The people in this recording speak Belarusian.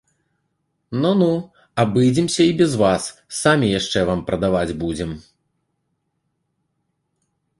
Ну-ну, абыдземся і без вас, самі яшчэ вам прадаваць будзем!